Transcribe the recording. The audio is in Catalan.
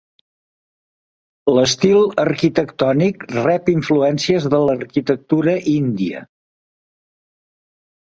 L'estil arquitectònic rep influències de l'arquitectura índia.